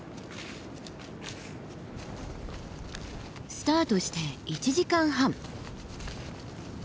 スタートして１時間半。